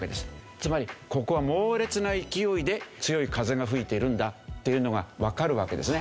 つまりここは猛烈な勢いで強い風が吹いているんだっていうのがわかるわけですね。